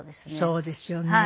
そうですよね。